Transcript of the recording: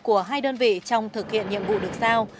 của hai đơn vị trong thực hiện nhiệm vụ được giao